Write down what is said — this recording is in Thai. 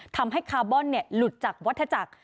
ทำให้คาร์บอนหลุดจากวัฒจักร